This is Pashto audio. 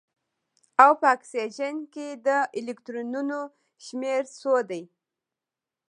او په اکسیجن کې د الکترونونو شمیر څو دی